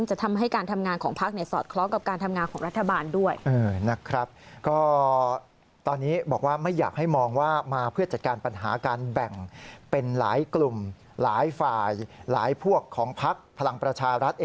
จะทำให้การทำงานของพักสอดคล้องกับการทำงานของรัฐบาลด้วยนะครับ